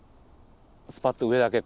スパッと上だけこう。